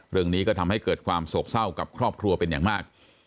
เรื่องนี้ก็ทำให้เกิดความโศกเศร้ากับครอบครัวเป็นอย่างมาก